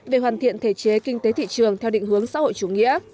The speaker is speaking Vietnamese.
về hoàn thiện thể chế kinh tế thị trường theo định hướng xã hội chủ nghĩa